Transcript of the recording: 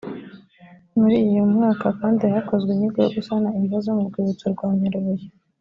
muri uyu mwaka kandi hakozwe inyigo yo gusana imva zo mu rwibutso rwa nyarubuye